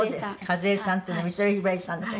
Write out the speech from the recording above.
和枝さんというのは美空ひばりさんの事。